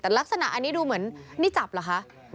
แต่ลักษณะอันนี้ดูเหมือนนี่จับเหรอคะ